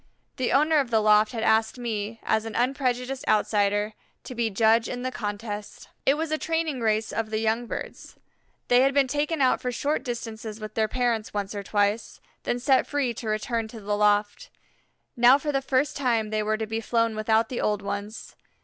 The owner of the loft had asked me, as an unprejudiced outsider, to be judge in the contest. It was a training race of the young birds. They had been taken out for short distances with their parents once or twice, then set free to return to the loft. Now for the first time they were to be flown without the old ones.